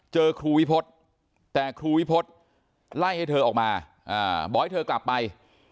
เจอครูวิพฤษแต่ครูวิพฤษไล่ให้เธอออกมาบอกให้เธอกลับไป